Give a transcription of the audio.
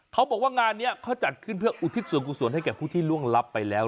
เขาบอกว่างานนี้เขาจัดขึ้นเพื่ออุทิศส่วนกุศลให้แก่ผู้ที่ล่วงลับไปแล้ว